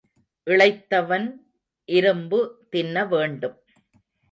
இளைத்தவன் இரும்பு தின்ன வேண்டும்.